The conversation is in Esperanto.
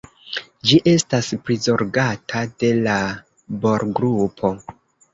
Ĝi estas prizorgata de laborgrupo.